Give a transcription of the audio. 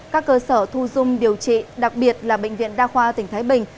các cơ sở thu dung điều trị đặc biệt là bệnh viện đa khoa tỉnh thái bình